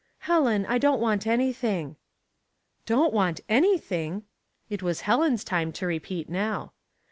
" Helen, I don't want anything.'* " Don't want anything !" It was Helen's time to repeat now.